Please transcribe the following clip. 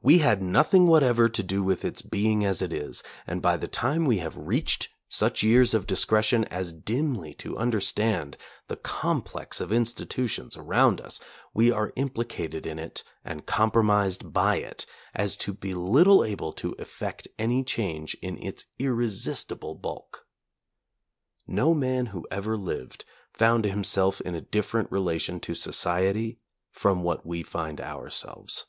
We had nothing whatever to do with its being as it is, and by the time we have reached such years of discretion as dimly to understand the complex of institutions around us, we are implicated in it and compromised by it as to be little able to effect any change in its irresistible bulk. No man who ever lived found himself in a different relation to society from what we find ourselves.